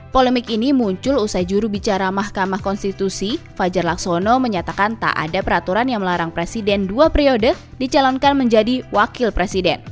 polemik ini muncul usai jurubicara mahkamah konstitusi fajar laksono menyatakan tak ada peraturan yang melarang presiden dua periode dicalonkan menjadi wakil presiden